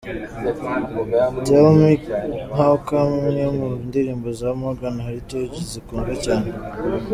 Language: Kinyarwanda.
Tell Me How Come, imwe mu ndirimbo za Morgan Heritage zakunzwe cyane.